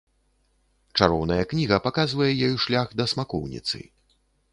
Чароўная кніга паказвае ёй шлях да смакоўніцы.